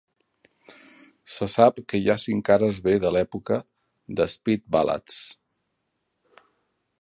Se sap que hi ha cinc cares B de l'època d'"Speed Ballads".